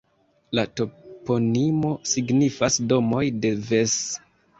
La toponimo signifas Domoj de Ves.